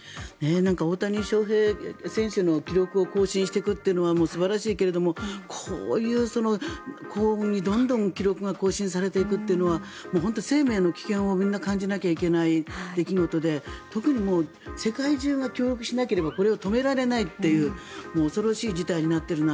大谷翔平選手の記録を更新していくというのはもう素晴らしいけどもこういう高温の記録がどんどん更新されていくというのは本当に生命の危険をみんな感じなきゃいけない出来事で特に世界中が協力しなければこれを止められないという恐ろしい事態になっているな。